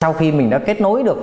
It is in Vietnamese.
sau khi mình đã kết nối được